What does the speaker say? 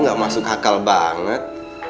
gak masuk akal banget